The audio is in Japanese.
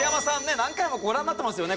何回もご覧になってますよね